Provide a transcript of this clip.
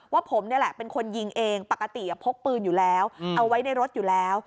ว่าผมนี่แหละเป็นคนยิงเองปกติพกปืนอยู่แล้วเอาไว้ในรถอยู่แล้ว